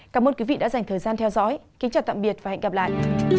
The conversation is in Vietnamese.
cảm ơn quý vị đã dành thời gian theo dõi kính chào tạm biệt và hẹn gặp lại